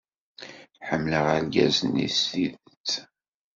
Ḥemmleɣ argaz-nni s tidet.